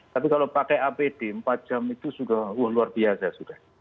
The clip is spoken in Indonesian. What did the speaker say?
tapi kalau pakai apd empat jam itu sudah luar biasa sudah